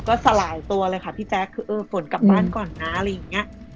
ก็สลายตัวเลยค่ะพี่แจ๊คคือเออฝนกลับบ้านก่อนนะอะไรอย่างนี้